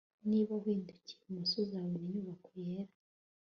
Niba uhindukiye ibumoso uzabona inyubako yera